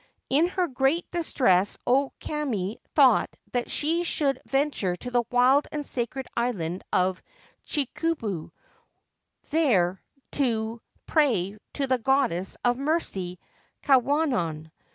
In her great distress O Kame thought that she should venture to the wild and sacred island of Chikubu, there to pray to the Goddess of Mercy, Kwannon.